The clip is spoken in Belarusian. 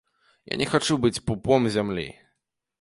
Я не хачу быць пупом зямлі.